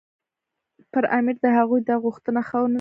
پر امیر د هغوی دا غوښتنه ښه ونه لګېده.